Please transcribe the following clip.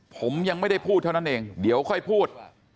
ผมยังไม่ได้พูดเท่านั้นเองเดี๋ยวค่อยพูด